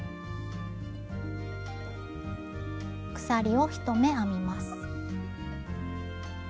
鎖を１目編みます。